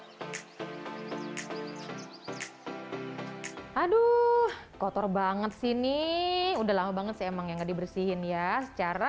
hai hai hai hai hai hai hai hai aduh kotor banget sini udah lama banget emangnya dibersihin ya secara